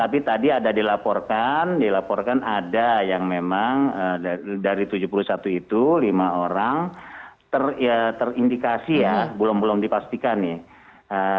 tapi tadi ada dilaporkan dilaporkan ada yang memang dari tujuh puluh satu itu lima orang terindikasi ya belum belum dipastikan nih